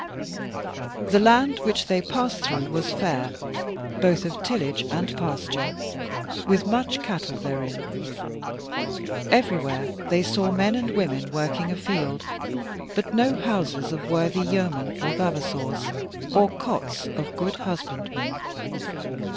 The land which they passed through was fair, both of tillage and pasture, with much cattle therein. Everywhere they saw men and women working afield, but no houses of worthy yeomen or vavassors, or cots of good husbandmen.